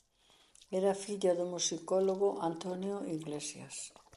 Era filla do musicólogo Antonio Iglesias.